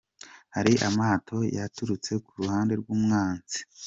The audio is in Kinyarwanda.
Hari amato yaturutse ku ruhande rw’umwanzi.